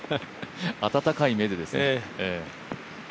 あたたかい目でですね。